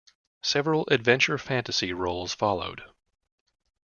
Several adventure-fantasy roles followed.